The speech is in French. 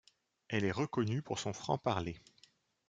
Elle est reconnue pour son franc-parler.